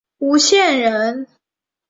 吴县人。